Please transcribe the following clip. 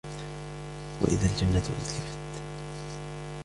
وَإِذَا الْجَنَّةُ أُزْلِفَتْ